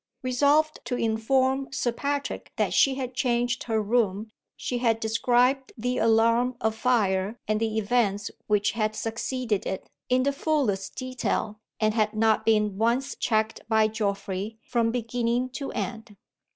Resolved to inform Sir Patrick that she had changed her room, she had described the alarm of fire and the events which had succeeded it, in the fullest detail and had not been once checked by Geoffrey from beginning to end.